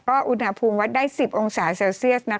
อุณหภูมิวัดได้๑๐องศาเซลเซียส